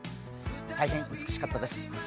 大変美しかったです。